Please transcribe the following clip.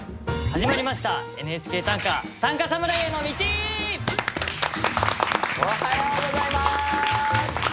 始まりました「ＮＨＫ短歌」おはようございます！